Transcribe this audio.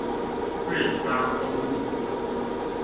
瑞八公路